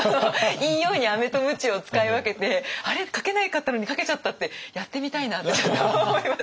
いいようにアメとムチを使い分けて「あれ？書けなかったのに書けちゃった」ってやってみたいなってちょっと思います。